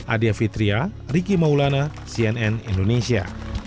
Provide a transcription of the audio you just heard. adia fitria riki maulana cnn indonesia